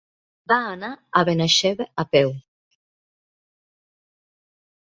Va anar a Benaixeve a peu.